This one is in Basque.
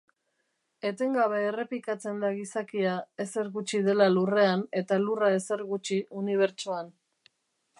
Etengabe errepikatzen da gizakia ezer gutxi dela lurrean eta lurra ezer gutxi unibertsoan.